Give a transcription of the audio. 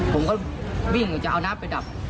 ผมก็วิ่งจะเอาน้ำไปดับ